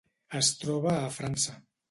Es troba a França.